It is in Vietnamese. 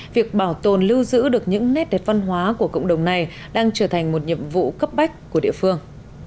việc bảo tồn lưu giữ được những nét đẹp văn hóa của cộng đồng này đang trở thành một nhiệm vụ cấp bách của địa phương